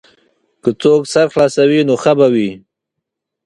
که څوک سر خلاصوي نو ښه به وي.